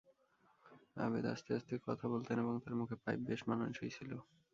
আবেদ আস্তে আস্তে কথা বলতেন এবং তাঁর মুখে পাইপ বেশ মানানসই ছিল।